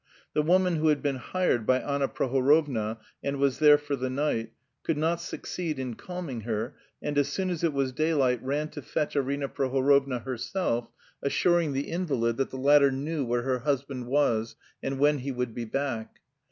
The woman who had been hired by Anna Prohorovna, and was there for the night, could not succeed in calming her, and as soon as it was daylight ran to fetch Arina Prohorovna herself, assuring the invalid that the latter knew where her husband was, and when he would be back.